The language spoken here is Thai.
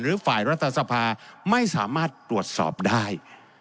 หรือฝ่ายรัฐศภาไม่สามารถดวชสอบได้